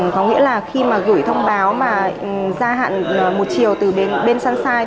có nghĩa là khi mà gửi thông báo mà gia hạn một chiều từ bên sunshine